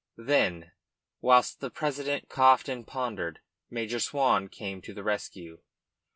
Then, whilst the president coughed and pondered, Major Swan came to the rescue.